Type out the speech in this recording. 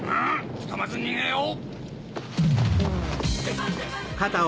ひとまず逃げよう！